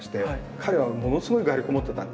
彼はものすごい画力持ってたんです。